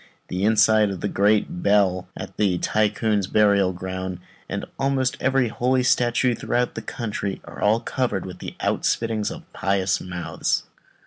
The inside of the great bell at the Tycoon's burial ground, and almost every holy statue throughout the country, are all covered with these outspittings from pious mouths.